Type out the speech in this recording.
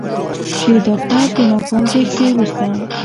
چې داکتر د ناکام تېښتې وروسته